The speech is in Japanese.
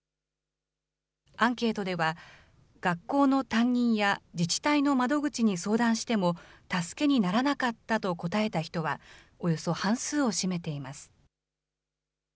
アンケートでは、学校の担任や自治体の窓口に相談しても助けにならなかったと答えた人は、およそ半数を占めています。